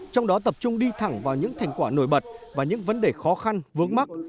trong đó tập trung đi thẳng vào những thành quả nổi bật và những vấn đề khó khăn vướng mắt